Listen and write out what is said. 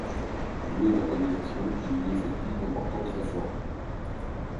Doué d'organisation, il y effectue d'importantes réformes.